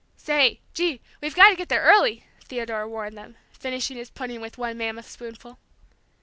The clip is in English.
"Say, gee, we've got to get there early!" Theodore warned them, finishing his pudding with one mammoth spoonful.